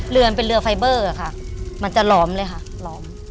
เรือนเป็นเรือไฟเบอร์ค่ะมันจะล้อมเลยค่ะล้อม